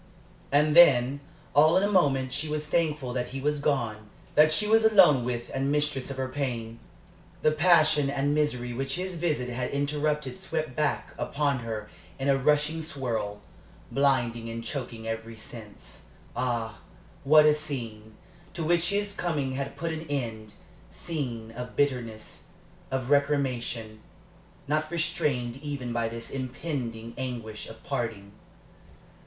And then, all in a moment, she was thankful that he was gone that she was alone with and mistress of her pain. The passion and misery which his visit had interrupted swept back upon her in a rushing swirl, blinding and choking every sense. Ah, what a scene, to which his coming had put an end scene of bitterness, of recrimination, not restrained even by this impending anguish of parting!